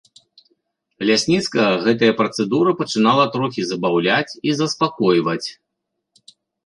Лясніцкага гэтая працэдура пачынала трохі забаўляць і заспакойваць.